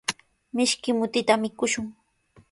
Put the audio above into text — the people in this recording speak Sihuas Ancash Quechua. Mishki mutita mikushun.